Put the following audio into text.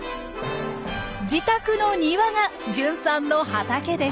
自宅の庭が純さんの畑です。